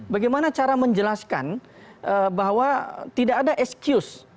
bagaimana cara menjelaskan bahwa tidak ada excuse